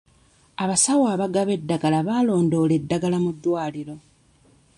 Abasawo abagaba eddagala balondoola edddagala mu ddwaliro.